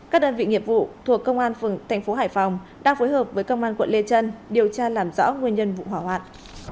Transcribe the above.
các đơn vị nghiệp vụ thuộc công an tp hải phòng đang phối hợp với công an quận lê trân điều tra làm rõ nguyên nhân vụ hỏa hoạn